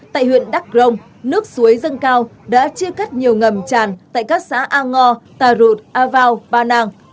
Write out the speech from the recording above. tại huyện đắc rông nước suối dâng cao đã chia cắt nhiều ngầm tràn tại các xã a ngo tà rụt a vào ba nàng